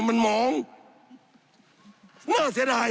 สับขาหลอกกันไปสับขาหลอกกันไป